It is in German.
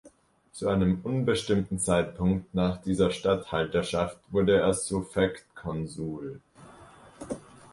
Zu einem unbestimmten Zeitpunkt nach dieser Statthalterschaft wurde er Suffektkonsul.